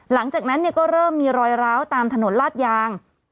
หลังจากนั้นก็เริ่มมีรอยร้าวตามถนนลาดยาง